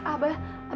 kagak pake deh